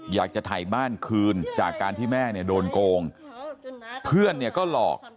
อยากจะถ่ายบ้านคืนจากการที่แม่เนี่ยโดนโกงเพื่อนเนี่ยก็หลอก